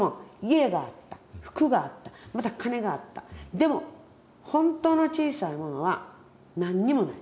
でもほんとの小さい者は何にもない。